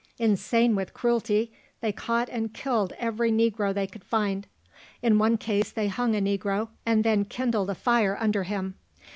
Insane with cruelty, they caught and killed every negro they could find. In one case, they hung a negro, and then kindled a fire under him.